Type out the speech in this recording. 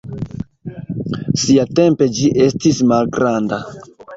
Siatempe ĝi estis malgranda.